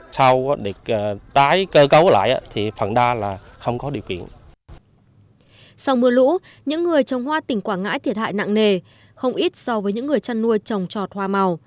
sau mưa lũ những người trồng hoa tỉnh quảng ngãi thiệt hại nặng nề không ít so với những người chăn nuôi trồng trọt hoa màu